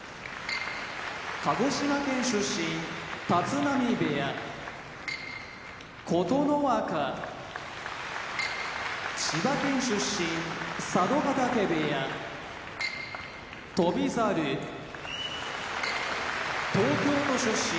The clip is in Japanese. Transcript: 鹿児島県出身立浪部屋琴ノ若千葉県出身佐渡ヶ嶽部屋翔猿東京都出身